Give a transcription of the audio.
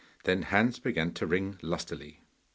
Then Hans began to ring lustily.